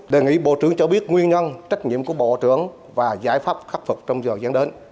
đề nghị bộ trưởng cho biết nguyên nhân trách nhiệm của bộ trưởng và giải pháp khắc phục trong giờ dẫn đến